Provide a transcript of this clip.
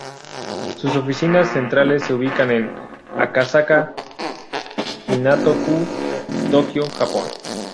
Sus oficinas centrales se ubican en Akasaka, Minato-ku, Tokio, Japón.